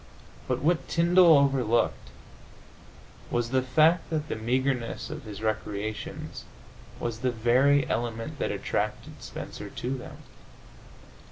But what Tyndall overlooked was the fact that the meagreness of his recreations was the very element that attracted Spencer to them.